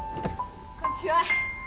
こんにちは。